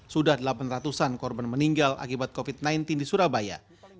sudah delapan ratus an korban meninggal akibat covid sembilan belas di surabaya